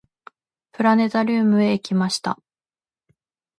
プラネタリウムへ行きました。